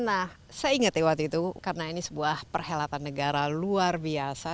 nah saya ingat ya waktu itu karena ini sebuah perhelatan negara luar biasa